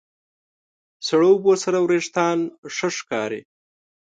سړو اوبو سره وېښتيان ښه ښکاري.